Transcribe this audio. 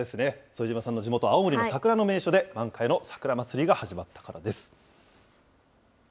副島さんの地元、青森県で満開のさくらまつりが始まったからです。